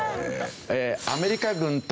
アメリカ軍対